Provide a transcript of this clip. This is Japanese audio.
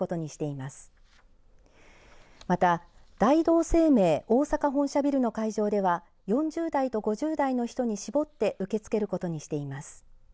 また、大同生命大阪本社ビルの会場では４０代と５０代の人に絞って受け付けることにしています。